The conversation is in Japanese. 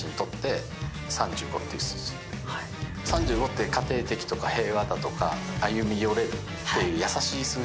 ３５って家庭的とか平和だとか歩み寄れるっていう優しい数字になるんですよ。